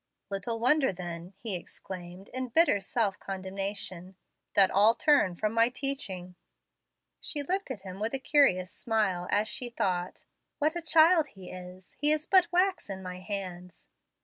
"Little wonder, then," he exclaimed, in bitter self condemnation, "that all turn from my teaching." She looked at him with a curious smile, as she thought, "What a child he is! He is but wax in my hands.